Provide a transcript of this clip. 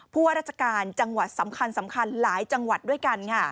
ว่าราชการจังหวัดสำคัญหลายจังหวัดด้วยกันค่ะ